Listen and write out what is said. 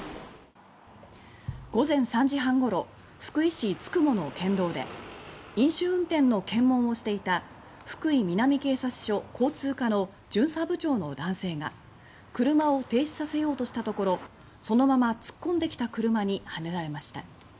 午前３時半ごろ福井市つくもの県道で飲酒運転の検問をしていた福井南警察署交通課の巡査部長の男性が車を停止させようとしたところそのまま突っ込んできた車にはねられました。